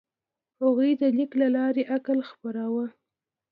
هغوی د لیک له لارې عقل خپراوه.